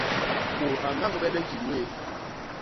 Mut a ñañgbene ñkil wéé.